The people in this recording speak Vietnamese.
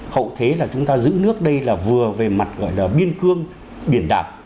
hậu thế là chúng ta giữ nước đây là vừa về mặt gọi là biên cương biển đảo